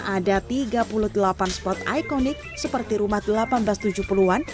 ada tiga puluh delapan spot ikonik seperti rumah seribu delapan ratus tujuh puluh an